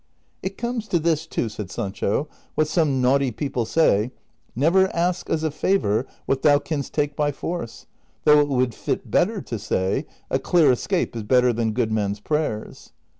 " It comes to this, too," said Sancho, " Avhat some naughty people say, ' Never ask as a favor Avhat thou canst take by force ;'^ though it would fit better to say, ' A clear escape is better than good men's prayers.'